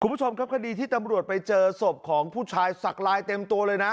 คุณผู้ชมครับคดีที่ตำรวจไปเจอศพของผู้ชายสักลายเต็มตัวเลยนะ